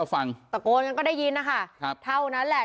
ใช่ตะโกนก็ได้ยินนะคะเท่านั้นแหละ